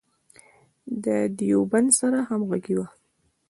د دیوبند سره همغاړې وه.